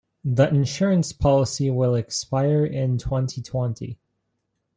The insurance policy will expire in twenty-twenty.